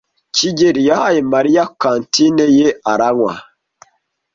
kigeli yahaye Mariya kantine ye aranywa.